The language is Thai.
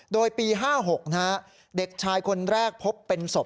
โดยปี๕๖เด็กชายคนแรกพบเป็นศพ